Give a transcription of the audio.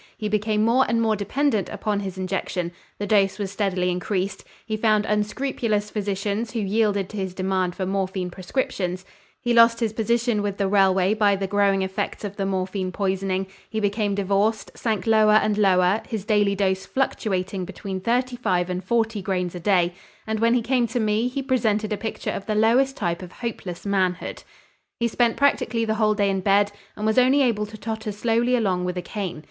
He became more and more dependent upon his injection, the dose was steadily increased, he found unscrupulous physicians who yielded to his demand for morphine prescriptions; he lost his position with the railway by the growing effects of the morphine poisoning, he became divorced, sank lower and lower, his daily dose fluctuating between thirty five and forty grains a day, and when he came to me, he presented a picture of the lowest type of hopeless manhood. He spent practically the whole day in bed and was only able to totter slowly along with a cane.